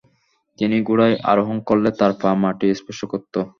তিনি ঘোড়ায় আরোহণ করলে তার পা মাটি স্পর্শ করত।